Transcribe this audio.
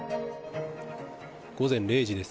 午前０時です。